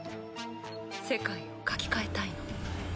世界を書き換えたいの。